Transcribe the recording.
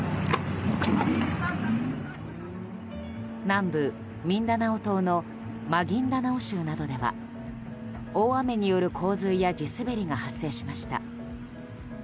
南部ミンダナオ島のマギンダナオ州などでは大雨による洪水や地滑りが発生しました。